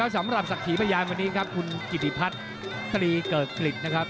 สำหรับสักทีพยายามวันนี้ครับคุณกิฎิพัฒน์ตรีเกิกกลิดนะครับ